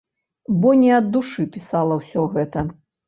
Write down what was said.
Бо не ад душы пісала ўсё гэта.